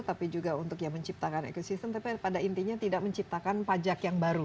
tapi juga untuk ya menciptakan ekosistem tapi pada intinya tidak menciptakan pajak yang baru